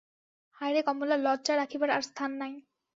হায় রে কমলা, লজ্জা রাখিবার আর স্থান নাই।